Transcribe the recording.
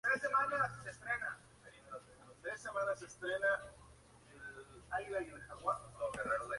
Fue la primera película cubana nominada a los premios Óscar.